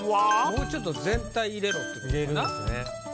もうちょっと全体入れろってことかな。